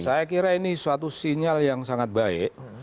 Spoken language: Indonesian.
saya kira ini suatu sinyal yang sangat baik